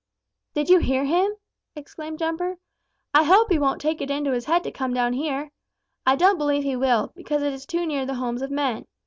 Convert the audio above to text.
"Did you hear him?" exclaimed Jumper. "I hope he won't take it into his head to come down here. I don't believe he will, because it is too near the homes of men.